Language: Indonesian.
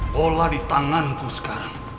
bola di tanganku sekarang